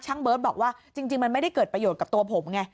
เบิร์ตบอกว่าจริงมันไม่ได้เกิดประโยชน์กับตัวผมไง